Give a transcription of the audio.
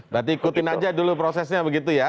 berarti ikutin aja dulu prosesnya begitu ya